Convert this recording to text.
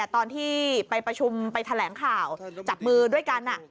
ตอนที่ไปประชุมไปแถลงข่าวจับมือด้วยกัน